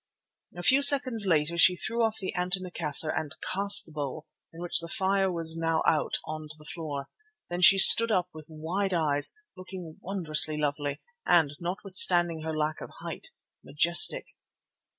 A few seconds later she threw off the antimacassar and cast the bowl, in which the fire was now out, on to the floor. Then she stood up with wide eyes, looking wondrous lovely and, notwithstanding her lack of height, majestic.